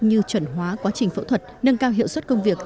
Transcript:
như chuẩn hóa quá trình phẫu thuật nâng cao hiệu suất công việc